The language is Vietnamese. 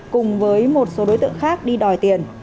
cùng với một số đối tượng khác đi đòi tiền